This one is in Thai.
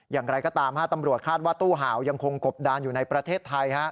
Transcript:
อย่างไรก็ตามตำรวจคาดว่าตู้ห่าวยังคงกบดานอยู่ในประเทศไทย